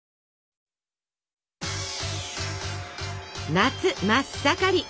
夏真っ盛り！